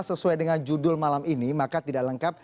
sesuai dengan judulnya